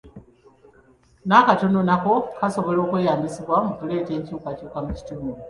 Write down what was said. N'akatono nako kasobola okweyambisibwa mu kuleeta enkyukakyuka mu kitundu.